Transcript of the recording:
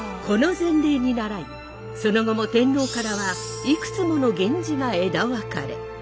この前例にならいその後も天皇からはいくつもの源氏が枝分かれ。